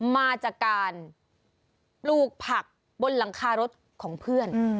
มาจากการปลูกผักบนหลังคารถของเพื่อน